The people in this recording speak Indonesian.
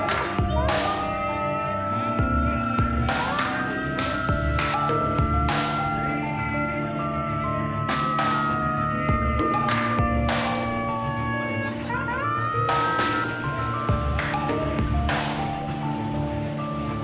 silakan selamat datang di jalan pertamburan